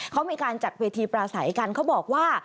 เขามีการจัดเวทีปราศัยกันเขาบอกว่า